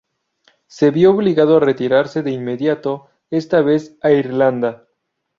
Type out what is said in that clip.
Se vio obligado a retirarse de inmediato, esta vez a Irlanda.